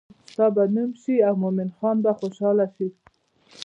ستا به نوم شي او مومن خان به خوشحاله شي.